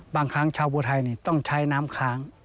บางครั้งชาวบัวไทยต้องใช้น้ำค้าง